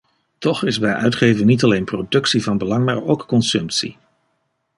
Toch is bij uitgeven niet alleen productie van belang, maar ook consumptie.